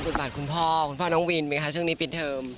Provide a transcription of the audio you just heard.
บทบาทคุณพ่อคุณพ่อน้องวินเป็นยังไงคะช่วงนี้ปิดเทอม